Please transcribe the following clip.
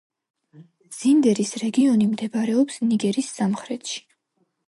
ზინდერის რეგიონი მდებარეობს ნიგერის სამხრეთში.